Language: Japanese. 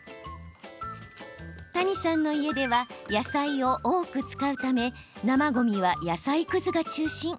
谷さんの家では野菜を多く使うため生ごみは野菜くずが中心。